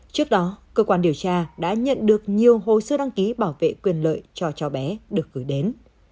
trước đó cơ quan điều tra đã nhận được nhiều hồ sơ đăng ký bảo vệ quyền lợi cho chó bé được gửi đến